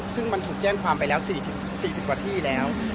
ซึ่งมันถูกแจ้งความไปแล้ว๔๐กว่าที่แล้ว